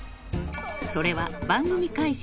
それは番組開始